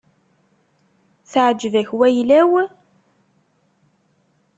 Teεǧeb-ak wayla-w?